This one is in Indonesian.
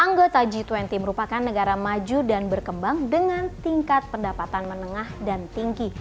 anggota g dua puluh merupakan negara maju dan berkembang dengan tingkat pendapatan menengah dan tinggi